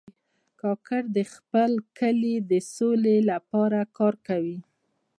کاکړ د خپل کلي د سولې لپاره کار کوي.